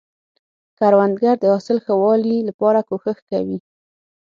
کروندګر د حاصل ښه والي لپاره کوښښ کوي